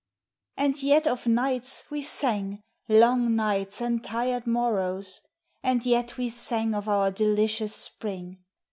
And yet of nights, we sang, long nights and tired morrows, And yet we sang of our delicious spring.